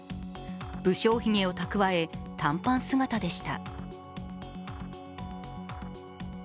無精ひげをたくわえ、短パン姿でした。